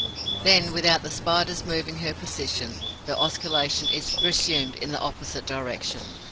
Then, without the Spider's moving her position, the oscillation is resumed in the opposite direction.